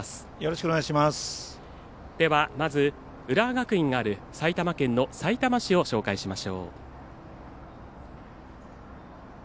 まずは浦和学院がある埼玉県のさいたま市を紹介します。